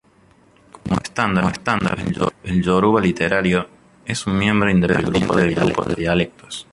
Como estándar, el yoruba literario, es un miembro independiente del grupo de dialectos.